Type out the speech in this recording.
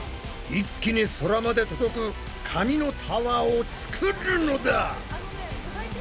一気に空まで届く紙のタワーを作るのだ！